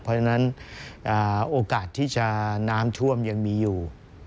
เพราะฉะนั้นโอกาสที่จะน้ำท่วมยังมีอยู่